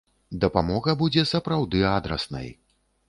Дапамога будзе сапраўды адраснай.